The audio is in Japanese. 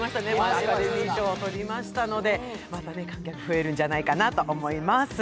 アカデミー賞を取りましたので、また観客、増えるんじゃないかと思います。